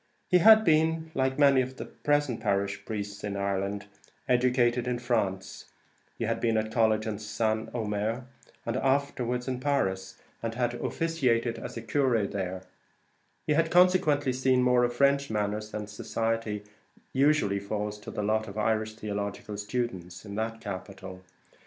He had been, like many of the present parish priests in Ireland, educated in France; he had been at college at St. Omer, and afterwards at Paris, and had officiated as a curé there; he had consequently seen more of French manners and society than usually falls to the lot of Irish theological students in that capital.